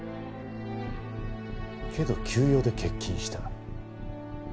けど急用で欠勤した。